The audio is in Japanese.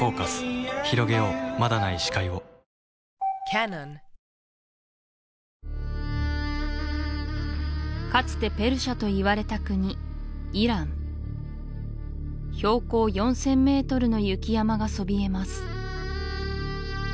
まだない視界をかつてペルシャといわれた国イラン標高４０００メートルの雪山がそびえます